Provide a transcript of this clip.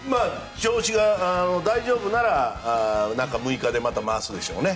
調子が大丈夫なら中６日でまた回すでしょうね。